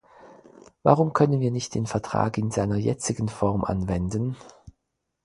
Warum können wir nicht den Vertrag in seiner jetzigen Form anwenden?